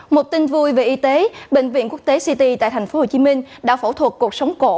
một tin vui về y tế bệnh viện quốc tế ct tại tp hcm đã phẫu thuật cuộc sống cổ